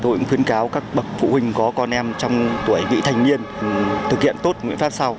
tôi cũng khuyến cáo các bậc phụ huynh có con em trong tuổi vị thành niên thực hiện tốt nguyện pháp sau